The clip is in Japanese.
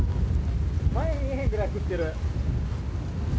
前見えへんぐらい降ってる！